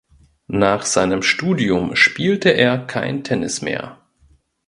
Nach seinem Studium spielte er kein Tennis mehr.